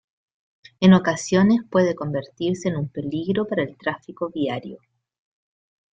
En ocasiones puede convertirse en un peligro para el tráfico viario.